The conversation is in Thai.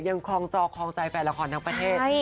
คลองจอคลองใจแฟนละครทั้งประเทศ